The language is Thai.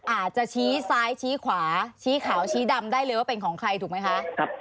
อาจจะชี้ซ้ายชี้ขวาชี้ขาวชี้ดำได้เลยว่าเป็นของใครถูกไหมคะ